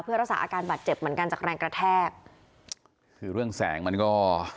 เพื่อรักษาอาการบาดเจ็บเหมือนกันจากแรงกระแทกคือเรื่องแสงมันก็